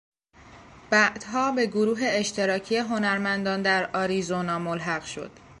بعدها به گروه اشتراکی هنرمندان در آریزونا ملحق شد.